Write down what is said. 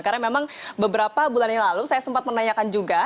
karena memang beberapa bulannya lalu saya sempat menanyakan juga